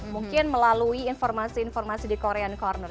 mungkin melalui informasi informasi di korean corner